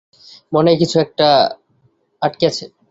মনে হয় কিছু একটা আটকে আছে